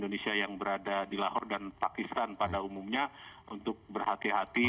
indonesia yang berada di lahore dan pakistan pada umumnya untuk berhati hati